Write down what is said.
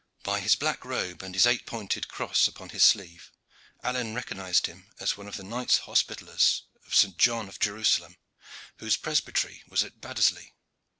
By his black robe and the eight pointed cross upon his sleeve, Alleyne recognized him as one of the Knights Hospitallers of St. John of Jerusalem, whose presbytery was at Baddesley.